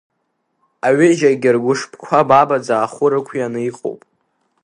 Аҩыџьагьы ргәышԥқәа бабаӡа ахәы рықәиааны иҟоуп.